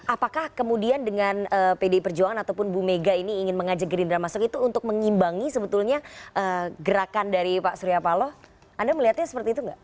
apakah kemudian dengan pdi perjuangan ataupun bu mega ini ingin mengajak gerindra masuk itu untuk mengimbangi sebetulnya gerakan dari pak surya paloh anda melihatnya seperti itu nggak